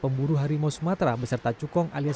pemburu harimau sumatera beserta cukong alias